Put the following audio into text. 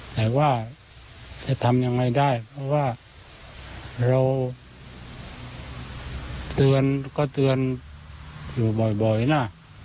แต่ว่าจะทำยังไงได้เพราะว่าเราเตือนก็เตือนอยู่บ่อยนะ